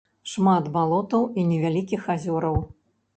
Шмат балотаў і невялікіх азёраў.